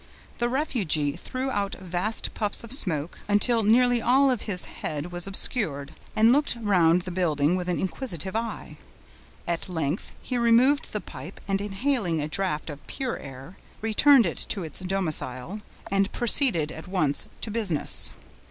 The refugee threw out vast puffs of smoke, until nearly all of his head was obscured, and looked around the building with an inquisitive eye. At length he removed the pipe, and inhaling a draft of pure air, returned it to its domicile, and proceeded at once to business.